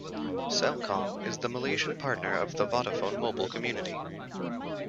Celcom is the Malaysian partner of the Vodafone mobile community.